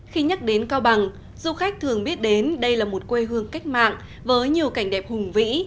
khi nhắc đến cao bằng du khách thường biết đến đây là một quê hương cách mạng với nhiều cảnh đẹp hùng vĩ